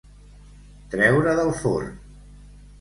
Treure del forn.